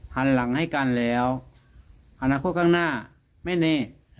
หันหลังให้กันแล้วอนาคตข้างหน้าไม่แน่